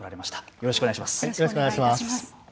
よろしくお願いします。